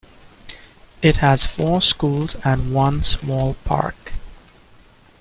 It has four schools and one small park.